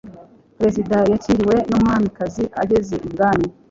perezida yakiriwe n'umwamikazi ageze ibwami